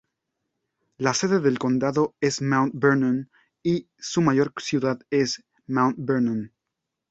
La sede del condado es Mount Vernon, y su mayor ciudad es Mount Vernon.